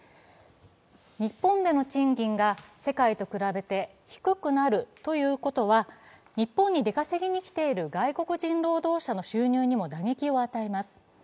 日本での賃金が世界と比べて低くなるということは日本に出稼ぎに来ている外国人労働者の収入にも打撃を与えます。